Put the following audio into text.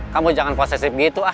kamu jangan posesif gitu ah